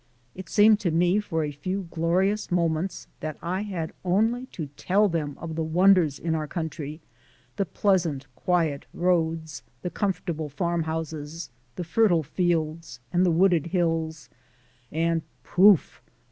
It seemed to me for a few glorious moments that I had only to tell them of the wonders in our country, the pleasant, quiet roads, the comfortable farmhouses, the fertile fields, and the wooded hills and, poof!